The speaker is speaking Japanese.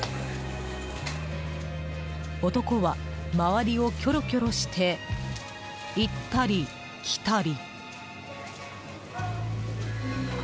男は周りをきょろきょろして行ったり来たり。